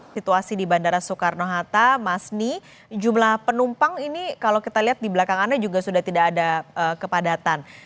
situasi di bandara soekarno hatta masni jumlah penumpang ini kalau kita lihat di belakang anda juga sudah tidak ada kepadatan